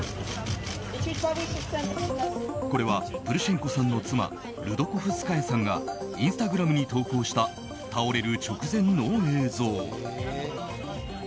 これはプルシェンコさんの妻ルドコフスカヤさんがインスタグラムに投稿した倒れる直前の映像。